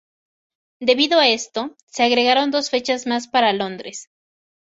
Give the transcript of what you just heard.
Debido a esto, se agregaron dos fechas más para Londres.